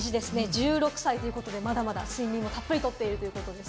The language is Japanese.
１６歳ということで、まだまだ睡眠もたっぷりとっているということです。